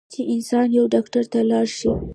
چې انسان يو ډاکټر له لاړشي